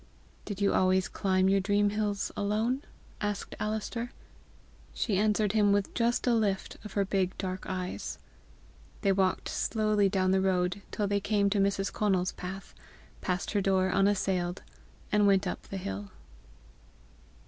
"Did you always climb your dream hills alone?" asked Alister. She answered him with just a lift of her big dark eyes. They walked slowly down the road till they came to Mrs. Conal's path, passed her door unassailed, and went up the hill.